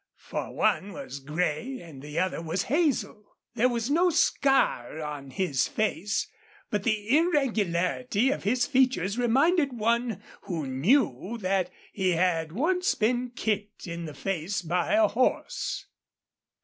For one was gray and the other was hazel. There was no scar on his face, but the irregularity of his features reminded one who knew that he had once been kicked in the face by a horse.